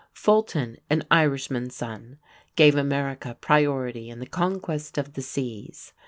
Fulton, an Irishman's son, gave America priority in the "conquest of the seas."